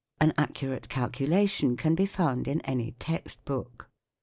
An accurate calculation can be found in any text book.